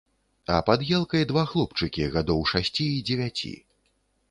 А пад елкай два хлопчыкі, гадоў шасці і дзевяці.